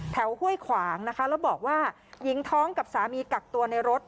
ห้วยขวางนะคะแล้วบอกว่าหญิงท้องกับสามีกักตัวในรถ